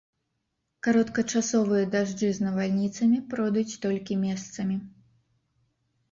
Кароткачасовыя дажджы з навальніцамі пройдуць толькі месцамі.